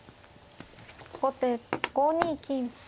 後手５二金。